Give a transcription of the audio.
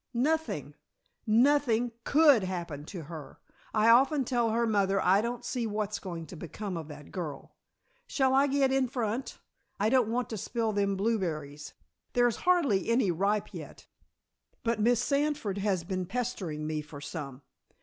"Nothing. Nothing could happen to her. I often tell her mother I don't see what's going to become of that girl. Shall I get in the front? I don't want to spill them blueberries. There's hardly any ripe yet, but Miss Sandford has been pestering me for some.